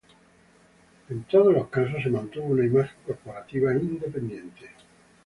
En todos los casos, se mantuvo una imagen corporativa independiente.